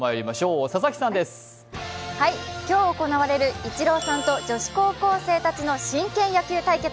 今日行われるイチローさんと女子高校生たちの真剣野球対決。